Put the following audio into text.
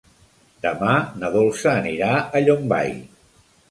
Demà na Dolça anirà a Llombai.